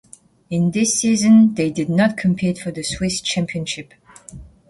In this season they did not compete for the Swiss championship.